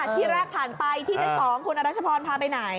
ที่แรกผ่านไปที่ชั้น๒คุณอรัชพรพาไปไหน